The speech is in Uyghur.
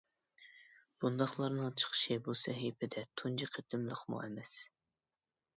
بۇنداقلارنىڭ چىقىشى بۇ سەھىپىدە تۇنجى قېتىملىقىمۇ ئەمەس.